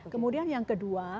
kemudian yang kedua